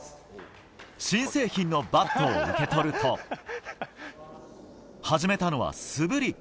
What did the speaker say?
新製品のバットを受け取ると始めたのは、素振り。